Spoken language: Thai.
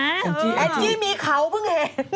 แอซจี้แอซจี้มีเค้าเพิ่งเห็น